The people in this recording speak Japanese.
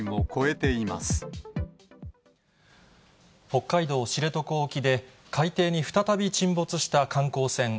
北海道知床沖で、海底に再び沈没した観光船